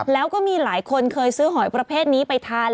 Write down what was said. แล้วก็มีหลายคนเคยซื้อหอยประเภทนี้ไปทาน